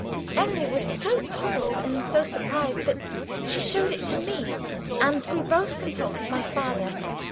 Emily was so puzzled and so surprised that she showed it to me and we both consulted my father.